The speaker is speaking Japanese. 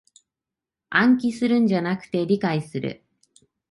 暗記するんじゃなく理解する